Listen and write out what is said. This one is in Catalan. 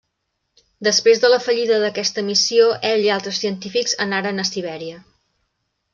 Després de la fallida d'aquesta missió ell i altres científics anaren a Sibèria.